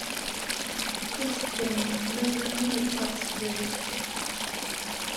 Azekka-nni Maziɣ mi yewweḍ ɣer tesdawit.